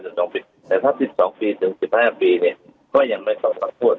อ่าไม่เกิน๑๒ปีแต่ถ้า๑๒ปีถึง๑๕ปีเนี่ยก็ยังไม่ต้องรับโทษ